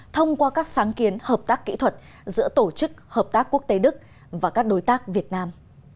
thông qua các sáng kiến hợp tác kỹ thuật giữa tổ chức hợp tác quốc tế đức và các đối tác việt nam